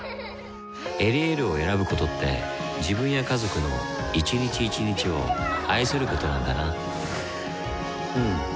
「エリエール」を選ぶことって自分や家族の一日一日を愛することなんだなうん。